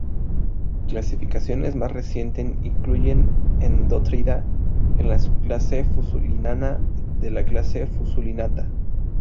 Clasificaciones más recientes incluyen Endothyrida en la subclase Fusulinana de la clase Fusulinata.